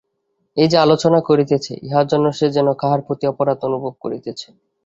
এই-যে আলোচনা করিতেছে ইহার জন্য সে যেন কাহার প্রতি অপরাধ অনুভব করিতেছে।